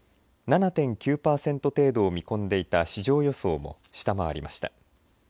７．９パーセント程度を見込んでいた市場予想を下回りました。